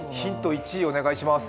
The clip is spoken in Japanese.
１お願いします。